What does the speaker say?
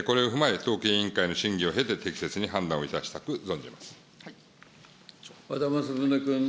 これを踏まえ、統計委員会の審議を経て、適切に判断をいたしたく和田政宗君。